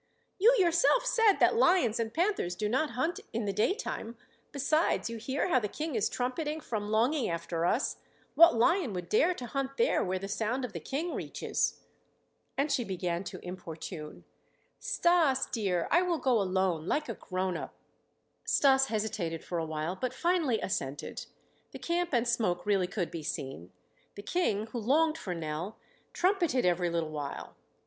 "You yourself said that lions and panthers do not hunt in the daytime. Besides, you hear how the King is trumpeting from longing after us. What lion would dare to hunt there where the sound of the King reaches?" And she began to importune: "Stas, dear, I will go alone, like a grown up." Stas hesitated for a while but finally assented. The camp and smoke really could be seen. The King, who longed for Nell, trumpeted every little while.